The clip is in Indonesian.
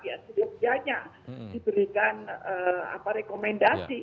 ya sedihnya diberikan rekomendasi